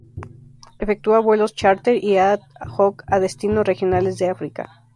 Efectúa vuelos chárter y ad hoc a destinos regionales de África.